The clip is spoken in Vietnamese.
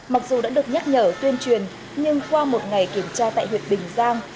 mặc dù đã được nhắc nhở tuyên truyền nhưng qua một ngày kiểm tra tại huyện bình giang